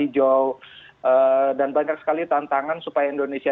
jadi mungkin kita tapi yakini busa